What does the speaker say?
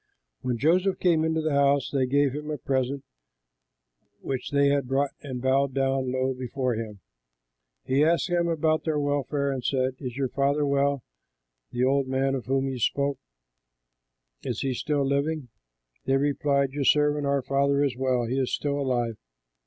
When Joseph came into the house, they gave him the present which they had brought and bowed down low before him. He asked them about their welfare and said, "Is your father well, the old man of whom you spoke? Is he still living?" They replied, "Your servant, our father, is well; he is still alive."